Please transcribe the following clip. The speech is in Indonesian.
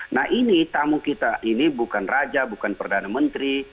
nah ini tamu kita ini bukan raja bukan perdana menteri